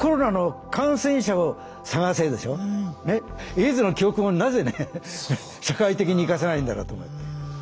エイズの教訓をなぜね社会的に生かせないんだろうと思って。